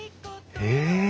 へえ。